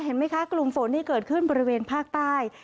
เห็นไหมคะกลุ่มฝนที่เกิดขึ้นบริเวณภาคใต้